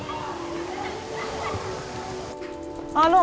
あの！